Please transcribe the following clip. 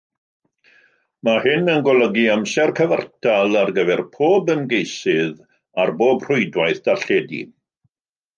Mae hyn yn golygu amser cyfartal ar gyfer pob ymgeisydd ar bob rhwydwaith darlledu.